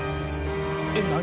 えっ何？